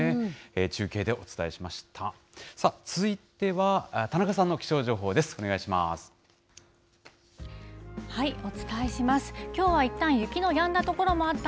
中継でお伝えしました。